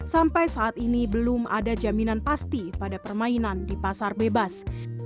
sampai saat ini belum ada jaminan pasti pada permainan di pasar bebas